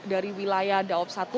dari wilayah dawab satu